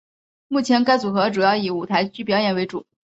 目前该组合主要以舞台剧表演为主。